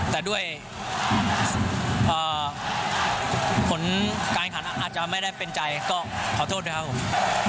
แต่ด้วยผลการขันอาจจะไม่ได้เป็นใจก็ขอโทษด้วยครับผม